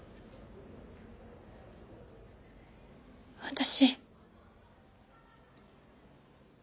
私。